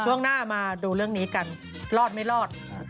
ช่วงหน้ามาดูเรื่องนี้กันรอดไม่รอด